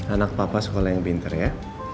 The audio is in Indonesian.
anak papa sekolah yang pinter ya